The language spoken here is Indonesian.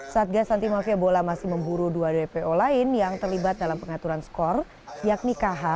satgas anti mafia bola masih memburu dua dpo lain yang terlibat dalam pengaturan skor yakni kh